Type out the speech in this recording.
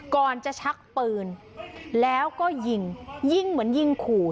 ก่อนจะชักปืนแล้วก็ยิงยิงเหมือนยิงขู่